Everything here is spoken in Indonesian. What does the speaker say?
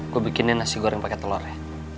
gua bikinnya nasi goreng pake telor ya